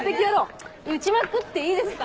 打ちまくっていいですか？